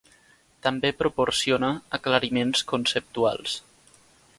També proporciona aclariments conceptuals.